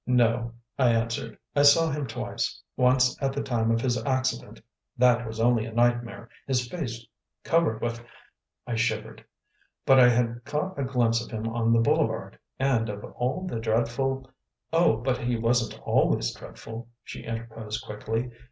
"No," I answered. "I saw him twice; once at the time of his accident that was only a nightmare, his face covered with " I shivered. "But I had caught a glimpse of him on the boulevard, and of all the dreadful " "Oh, but he wasn't always dreadful," she interposed quickly.